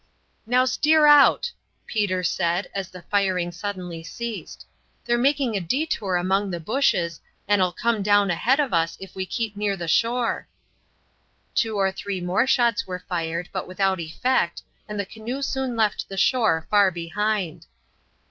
"Now steer out," Peter said as the firing suddenly ceased. "They're making a détour among the bushes, and 'll come down ahead of us if we keep near the shore." Two or three more shots were fired, but without effect, and the canoe soon left the shore far behind.